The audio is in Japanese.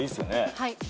はい。